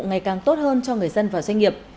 ngày càng tốt hơn cho người dân và doanh nghiệp